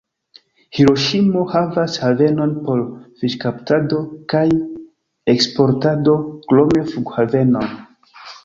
Hiroŝimo havas havenon por fiŝkaptado kaj eksportado, krome flughavenon.